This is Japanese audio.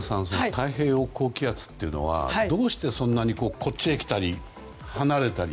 太平洋高気圧というのはどうしてそんなにこっちへ来たり離れたり。